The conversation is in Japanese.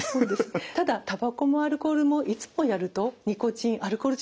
ただたばこもアルコールもいつもやるとニコチンアルコール中毒になりますね。